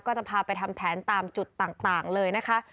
ก็จะพาไปทำแผนตามจุดต่างเลยนะคะ